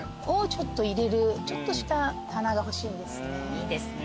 いいですね。